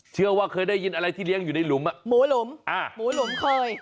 เชื่อว่าเคยได้ยินอะไรที่เลี้ยงอยู่ในหลุมอ่ะหมูหลุมอ่าหมูหลุมเคย